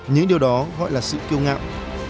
những điều đó gọi là sự kiêu ngạo